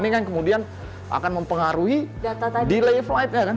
ini kan kemudian akan mempengaruhi delay flightnya kan